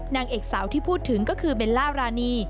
นางเอกสาวที่พูดถึงก็คือเบลล่ารานี